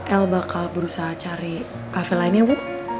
el bakal berusaha cari cafe lainnya bu